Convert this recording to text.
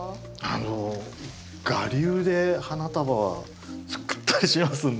あの我流で花束は作ったりしますんで。